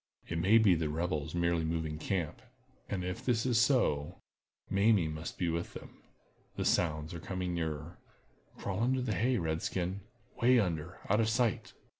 It may be the rebels merely moving camp. And if this is so, Mamie must be with them. The sounds are coming nearer—crawl under the hay, red skin—way under, out of sight."